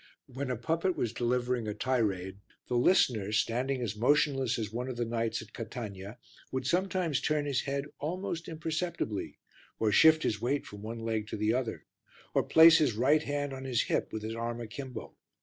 When a puppet was delivering a tirade, the listener, standing as motionless as one of the knights at Catania, would sometimes turn his head almost imperceptibly, or shift his weight from one leg to the other, or place his right hand on his hip with his arm a kimbo.